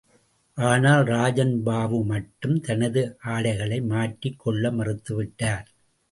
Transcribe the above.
ஆனால் ராஜன் பாபு மட்டும் தனது ஆடைகளை மாற்றிக் கொள்ள மறுத்துவிட்டார்.